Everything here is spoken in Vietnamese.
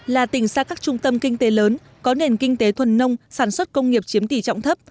là tỉnh xa các trung tâm kinh tế lớn có nền kinh tế thuần nông sản xuất công nghiệp chiếm tỷ trọng thấp